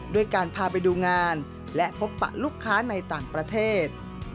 ด้วยการพาไปดูงานและพบปะลูกค้าในต่างประเทศ